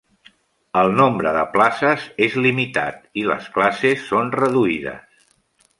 El nombre de places és limitat, i les classes són reduïdes.